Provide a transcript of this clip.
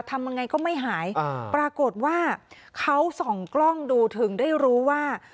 ทำยังไงก็ไม่หายปรากฏว่าเขาส่องกล้องดูถึงได้รู้ว่า